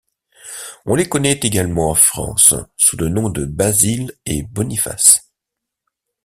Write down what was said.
On les connaît également en France sous le nom de Basile et Boniface.